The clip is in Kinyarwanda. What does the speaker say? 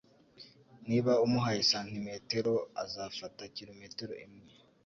Niba umuhaye santimetero, azafata kilometero imwe.